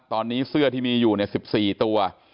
ตอนนี้เสื้อที่มีอยู่๑๔ตัว